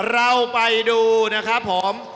เราไปดูนะครับผม